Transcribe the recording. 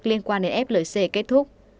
liên quan đến flc kết thúc